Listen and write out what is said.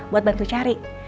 buat bantu cari